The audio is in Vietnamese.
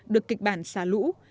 được kịch bản xả lũ